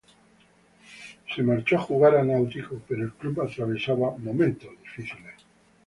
Se marchó a jugar a Náutico, pero el club atravesaba momentos difíciles.